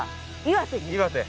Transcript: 岩手。